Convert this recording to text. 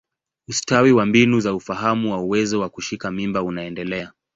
Ustawi wa mbinu za ufahamu wa uwezo wa kushika mimba unaendelea.